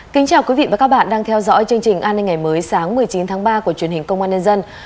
kính chào quý vị và các bạn đang theo dõi chương trình an ninh ngày mới sáng một mươi chín tháng ba của truyền hình công an nhân dân